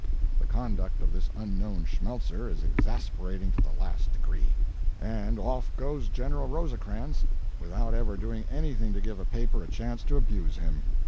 The conduct of this unknown Schmeltzer is exasperating to the last degree. And off goes General Rosecrans, without ever doing anything to give a paper a chance to abuse him.